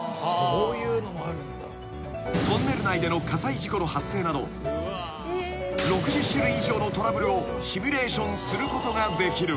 ［トンネル内での火災事故の発生など６０種類以上のトラブルをシミュレーションすることができる］